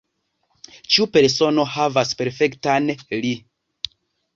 Ĉiu persono havas perfektan "li".